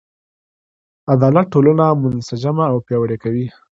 عدالت ټولنه منسجمه او پیاوړې کوي.